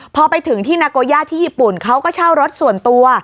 พอไปถึงที่นาโกย่าที่ญี่ปุ่นเขาก็เช่ารถส่วนตัว